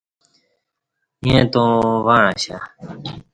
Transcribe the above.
ییں تاوں وعں اشیہ